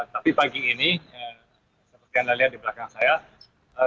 tapi pagi ini seperti anda lihat di belakang saya